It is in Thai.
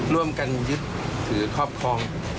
ร่วมกันยึดถือครอบครอง